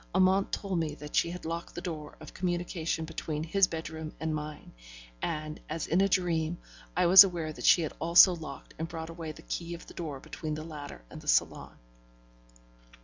Amante told me that she had locked the door of communication between his bedroom and mine, and, as in a dream, I was aware that she had also locked and brought away the key of the door between the latter and the salon.